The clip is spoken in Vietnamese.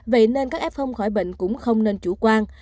vậy nên các f khỏi bệnh cũng không nên chủ quan